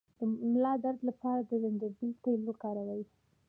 د ملا درد لپاره د زنجبیل تېل وکاروئ